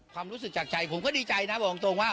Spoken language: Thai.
ความรู้สึกจากใจผมก็ดีใจนะบอกตรงว่า